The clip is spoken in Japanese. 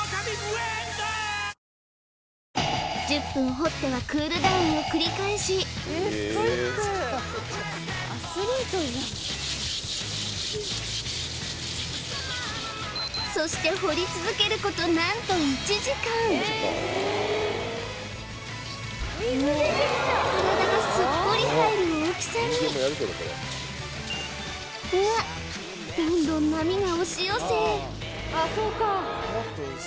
掘ってはクールダウンを繰り返しそして掘り続けること何と１時間体がすっぽり入る大きさにんがどんどん波が押し寄せ